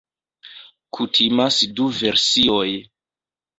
Kutimas du versioj.